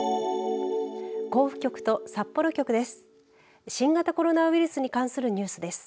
甲府局と札幌局です。